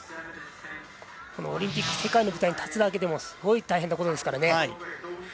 このオリンピック世界の舞台に立つだけでもすごい大変なことですからね。